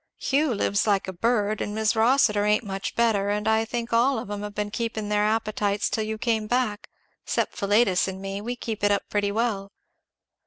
Hugh lives like a bird, and Mis' Rossitur ain't much better, and I think all of 'em have been keeping their appetites till you came back; 'cept Philetus and me; we keep it up pretty well.